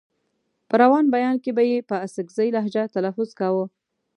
په روان بيان کې به يې په اڅکزۍ لهجه تلفظ کاوه.